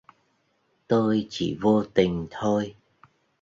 Tôi chỉ vô tình thôi